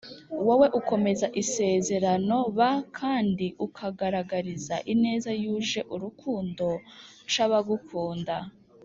wowe ukomeza isezerano b kandi ukagaragariza ineza yuje urukundo c abagukunda